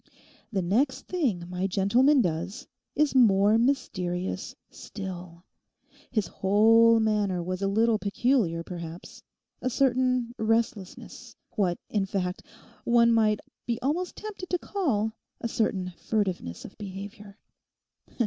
The next thing my gentleman does is more mysterious still. His whole manner was a little peculiar, perhaps—a certain restlessness, what, in fact, one might be almost tempted to call a certain furtiveness of behaviour.